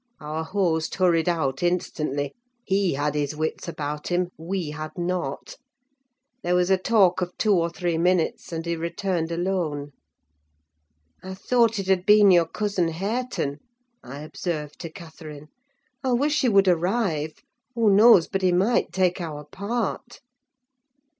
Our host hurried out instantly: he had his wits about him; we had not. There was a talk of two or three minutes, and he returned alone. "I thought it had been your cousin Hareton," I observed to Catherine. "I wish he would arrive! Who knows but he might take our part?"